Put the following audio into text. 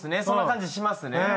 そんな感じしますね。